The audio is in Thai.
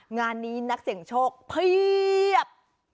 งานนี้นักเสี่ยงโชคเพียบ